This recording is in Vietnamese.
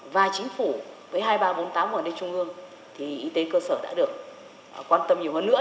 và chính phủ với hai nghìn ba trăm bốn mươi tám ở đây trung ương thì y tế cơ sở đã được quan tâm nhiều hơn nữa